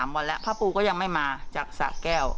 วันแล้วพระปูก็ยังไม่มาจากสะแก้ว